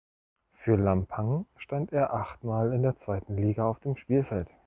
Für Lampang stand er achtmal in der zweiten Liga auf dem Spielfeld.